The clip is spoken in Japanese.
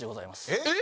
えっ！？